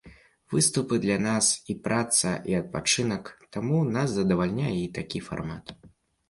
Выступы для нас і праца, і адпачынак, таму нас задавальняе і такі фармат.